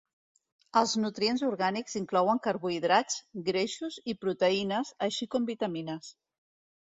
Els nutrients orgànics inclouen carbohidrats, greixos i proteïnes, així com vitamines.